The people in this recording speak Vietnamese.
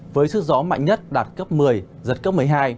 với sức gió mạnh nhất đạt cấp một mươi giật cấp một mươi hai